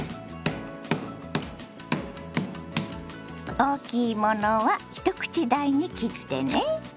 大きいものは一口大に切ってね。